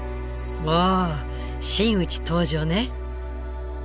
おお真打ち登場ね。